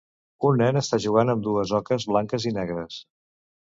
Un nen està jugant amb dues oques blanques i negres.